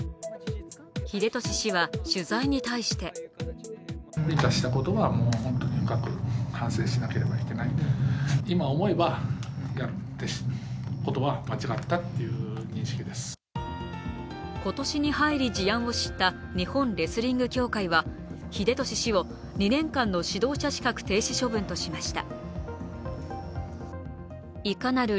栄利氏は取材に対して今年に入り事案を知った日本レスリング協会は栄利氏を２年間の指導者資格停止処分としました。